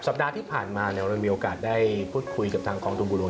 สัปดาห์ที่ผ่านมาเรามีโอกาสได้พูดคุยกับทางคองทุนบัวหลวง